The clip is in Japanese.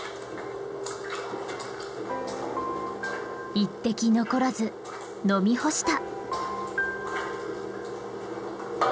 １滴残らず飲み干した。